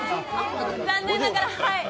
残念ながら。